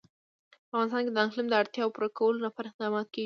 په افغانستان کې د اقلیم د اړتیاوو پوره کولو لپاره اقدامات کېږي.